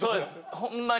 ホンマに。